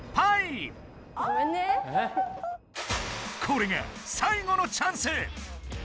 これが最後のチャンス！